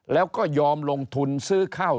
แล้วก็ยอมลงทุนซื้อข้าว